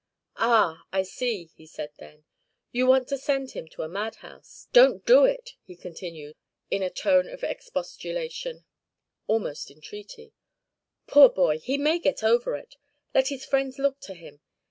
'Ah, I see!' he said then; 'you want to send him to a madhouse? Don't do it,' he continued, in a tone of expostulation, almost entreaty. 'Poor boy! He may get over it. Let his friends look to him.